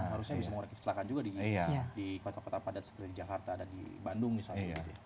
harusnya bisa mengurangi kecelakaan juga di kota kota padat seperti di jakarta dan di bandung misalnya